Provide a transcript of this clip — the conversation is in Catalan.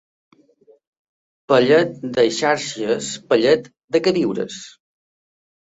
Pallet d'eixàrcies, pallet de queviures.